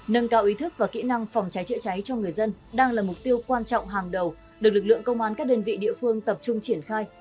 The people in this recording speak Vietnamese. nâng cao ý thức và kỹ năng phòng cháy chữa cháy cho người dân đang là mục tiêu quan trọng hàng đầu được lực lượng công an các đơn vị địa phương tập trung triển khai